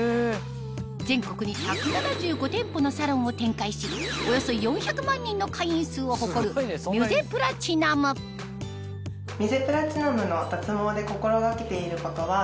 全国に１７５店舗のサロンを展開しおよそ４００万人の会員数を誇るミュゼプラチナムなるほどね。